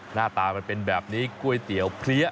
หน้าตามันเป็นแบบนี้ก๋วยเตี๋ยวเพลี้ย